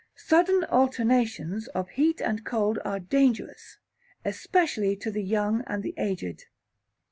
Sudden alternations of heat and cold are dangerous (especially to the young and the aged).